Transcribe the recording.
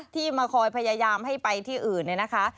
ที่มาคอยพยายามให้ไปที่อื่นเนี่ยนะคะ